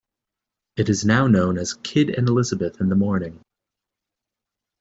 It is now known as "Kidd and Elizabeth in the Morning".